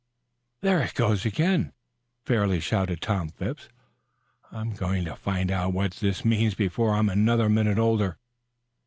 "There it goes again," fairly shouted Tom Phipps. "I'm going to find out what this means before I'm another minute older."